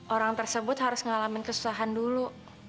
orang tersebut harus ngalamin kesusahan dulu